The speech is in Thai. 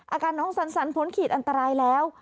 อาการน้องสันพ้นขีดอันตรายแล้ว